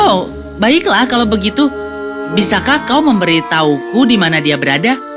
oh baiklah kalau begitu bisakah kau memberitahuku di mana dia berada